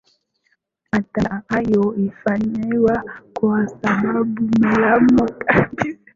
Matamasha hayo hufanywa kwa sababu maalumu kabisa